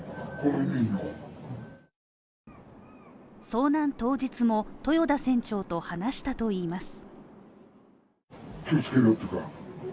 遭難当日も豊田船長と話したといいます。